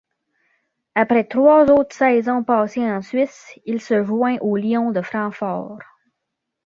Après trois autres saisons passées en Suisse, il se joint au Lions de Francfort.